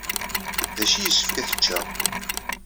D acu ay yessefk ad t-cceɣ?